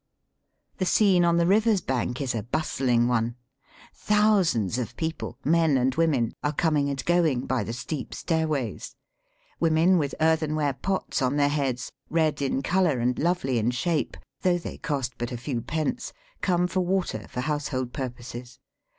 The scene on the river's bank is a bustUng one. Thousands of people, men and women, are coming and going by the steep stairways. Women with earthenware pots on their heads, red in colour and lovely in shape, though they cost but a few pence, come for water for household purposes.